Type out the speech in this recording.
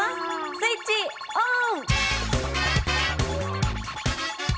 スイッチオン！